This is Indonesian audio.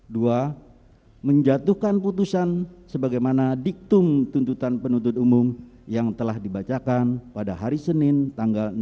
dua menjatuhkan putusan sebagaimana diktum tuntutan penuntut umum yang telah dibacakan pada hari senin tanggal enam belas januari dua ribu dua puluh satu